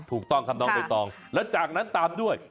ถูกต้องครับน้องใบตองแล้วจากนั้นตามด้วย